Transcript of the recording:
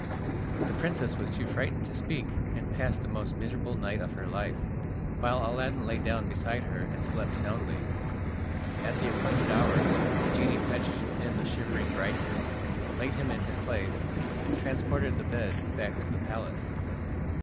The princess was too frightened to speak, and passed the most miserable night of her life, while Aladdin lay down beside her and slept soundly. At the appointed hour the genie fetched in the shivering bridegroom, laid him in his place, and transported the bed back to the palace.